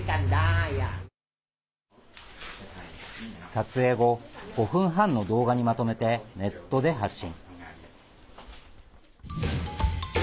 撮影後、５分半の動画にまとめてネットで発信。